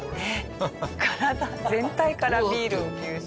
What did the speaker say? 体全体からビールを吸収する。